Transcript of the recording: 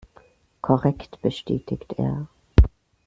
Korrekt, bestätigt er.